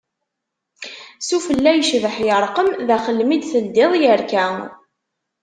S ufella yecbaḥ yerqem, daxel mi d-teldiḍ yerka.